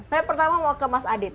saya pertama mau ke mas adit